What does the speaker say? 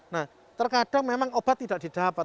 nah terkadang memang obat tidak didapat